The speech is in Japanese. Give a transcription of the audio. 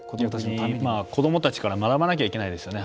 子どもたちから学ばなきゃいけないですよね。